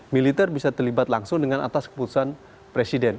militer bisa terlibat langsung dengan atas keputusan presiden